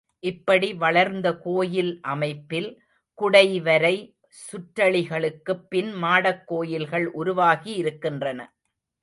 இப்படி வளர்ந்த கோயில் அமைப்பில், குடைவரை கற்றளிகளுக்குப் பின் மாடக் கோயில்கள் உருவாகி இருக்கின்றன.